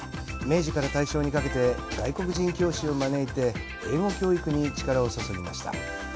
明治から大正にかけて外国人教師を招いて英語教育に力を注ぎました。